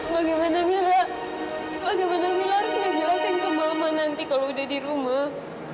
bagaimana mila bagaimana mila harus ngejelasin ke mama nanti kalau udah di rumah